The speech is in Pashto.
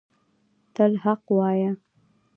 تل حق وایه